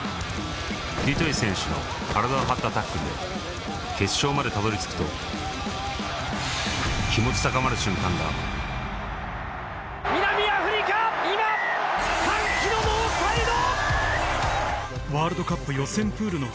デュトイ選手の体を張ったタックルで決勝までたどり着くと南アフリカ今歓喜のノーサイド！